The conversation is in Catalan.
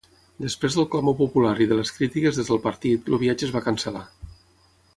Després del clamor popular i de les crítiques des del partit, el viatge es va cancel·lar.